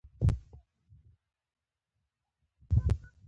نو درې لوېشتې لکۍ به هم درته پرېږدو.